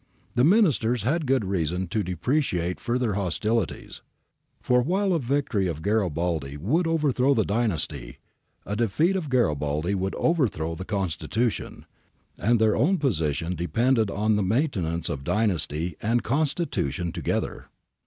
The Ministers had good reason to deprecate further hostilities, for while a victory of Garibaldi would overthrow the dynasty, a defeat of Garibaldi would over throw the Constitution, and their own position depended on the maintenance of dynasty and Constitution together.